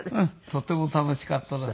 とても楽しかったです。